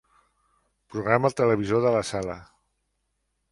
Programa el televisor de la sala.